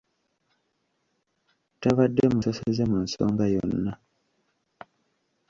Tabadde musosoze mu nsonga yonna.